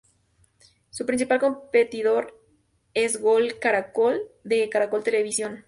Su principal competidor es Gol Caracol de Caracol Televisión.